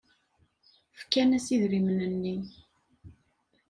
Fkan-as idrimen-nni.